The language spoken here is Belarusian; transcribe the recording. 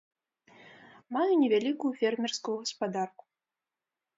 Маю невялікую фермерскую гаспадарку.